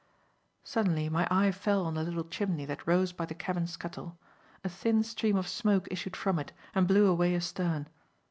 Suddenly my eye fell on the little chimney that rose by the cabin scuttle. A thin stream of smoke issued from it and blew away astern.